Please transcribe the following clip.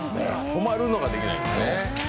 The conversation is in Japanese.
止まるのができないんですね。